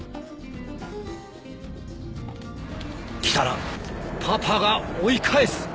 来たらパパが追い返す。